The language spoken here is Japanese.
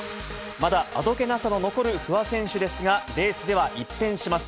まだあどけなさの残る不破選手ですが、レースでは一変します。